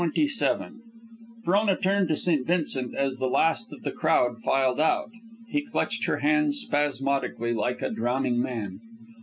CHAPTER XXVII Frona turned to St. Vincent as the last of the crowd filed out. He clutched her hands spasmodically, like a drowning man.